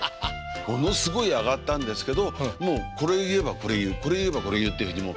ものすごいあがったんですけどもうこれ言えばこれ言うこれ言えばこれ言うっていうふうにもうタンタンタンってこう。